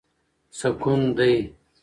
سکون دی.